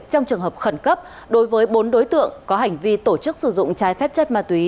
trong trường hợp khẩn cấp đối với bốn đối tượng có hành vi tổ chức sử dụng trái phép chất ma túy